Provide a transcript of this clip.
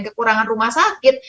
kekurangan rumah sakit